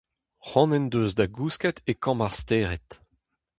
C'hoant en deus da gousket e kambr ar stered.